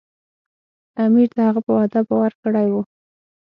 امیر د هغه په وعده باور کړی و.